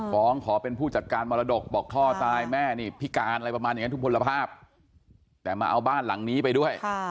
ที่น้องชายมาแอบรื้อบ้านจนแม่ไม่มีที่อยู่